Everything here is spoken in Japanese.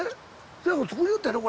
そやから作りよったやろ？